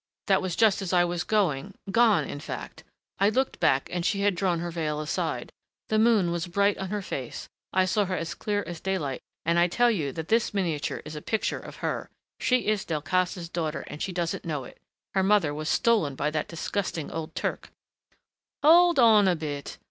"That was just as I was going gone, in fact. I looked back and she had drawn her veil aside. The moon was bright on her face I saw her as clear as daylight, and I tell you that this miniature is a picture of her. She is Delcassé's daughter and she doesn't know it. Her mother was stolen by that disgusting old Turk " "Hold on a bit.